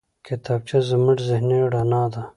کتابچه زموږ ذهني رڼا ده